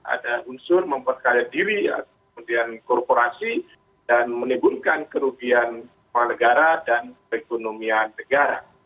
ada unsur memperkalian diri kemudian korporasi dan menimbulkan kerugian perekonomian negara